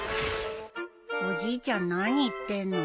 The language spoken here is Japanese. おじいちゃん何言ってんの？